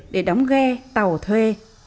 để đóng ghe tàu thuê